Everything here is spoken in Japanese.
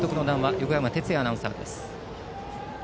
横山哲也アナウンサーです。